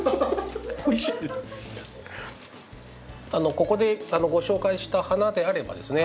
ここでご紹介した花であればですね